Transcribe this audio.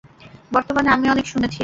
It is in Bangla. বর্তমানে --- আমি অনেক শুনেছি!